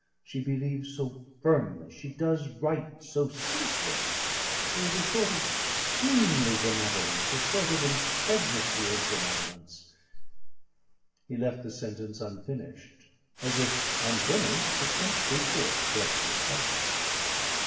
She believes so firmly, she does right so simply, there is a sort of queenly benevolence, a sort of integrity of benevolence " He left the sentence unfinished, as if unfinished it completely expressed his thought.